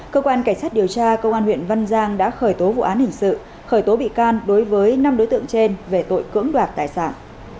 cơ quan cảnh sát điều tra công an huyện văn giang đã khởi tố vụ án hình sự khởi tố bị can đối với năm đối tượng trên về tội cưỡng đoạt tài sản